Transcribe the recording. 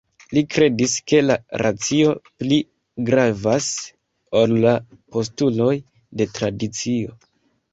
Li kredis ke la racio pli gravas ol la postuloj de tradicio.